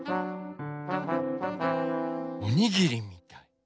おにぎりみたい。